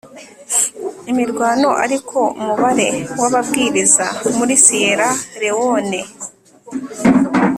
imirwano ariko umubare w ababwiriza muri Siyera Lewone